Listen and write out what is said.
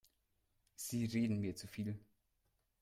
Sie reden mir zu viel.